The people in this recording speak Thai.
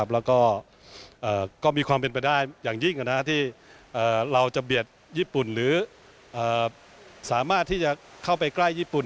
แล้วก็มีความเป็นไปได้อย่างยิ่งที่เราจะเบียดญี่ปุ่นหรือสามารถที่จะเข้าไปใกล้ญี่ปุ่น